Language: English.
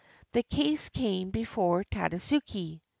The case came before Tadasuke.